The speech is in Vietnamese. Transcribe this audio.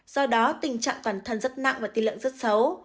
do đó tình trạng toàn thân rất nặng và tiên lượng rất xấu